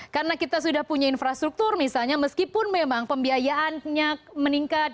karena kita sudah punya infrastruktur misalnya meskipun memang pembiayaannya meningkat